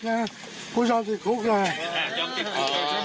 หนักก็จะยกขึ้นไหม